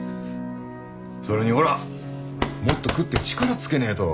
それにほらもっと食って力つけねえと。